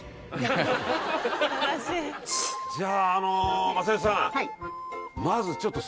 じゃああの雅代さん。